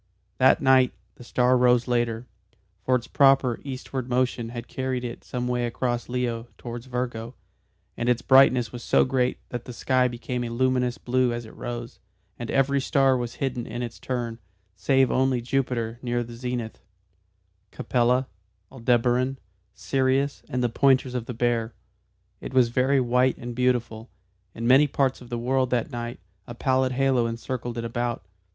That night the star rose later, for its proper eastward motion had carried it some way across Leo towards Virgo, and its brightness was so great that the sky became a luminous blue as it rose, and every star was hidden in its turn, save only Jupiter near the zenith, Capella, Aldebaran, Sirius and the pointers of the Bear. It was very white and beautiful. In many parts of the world that night a pallid halo encircled it about.